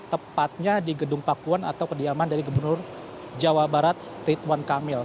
tepatnya di gedung pakuan atau kediaman dari gubernur jawa barat ridwan kamil